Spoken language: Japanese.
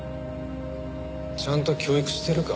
ちゃんと教育してるか？